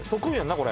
これ。